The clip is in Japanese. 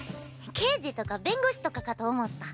刑事とか弁護士とかかと思った。